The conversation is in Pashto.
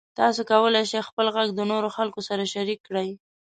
تاسو کولی شئ خپل غږ د نورو خلکو سره شریک کړئ.